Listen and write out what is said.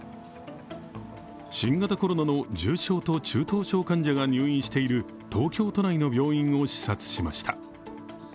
新型コロナの重症と中等症患者が入院している東京都内の病院を視察しました。